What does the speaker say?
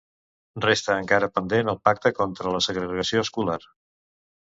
Resta encara pendent el pacte contra la segregació escolar.